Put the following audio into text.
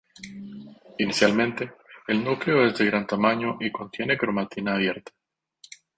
Inicialmente, el núcleo es de gran tamaño y contiene cromatina abierta.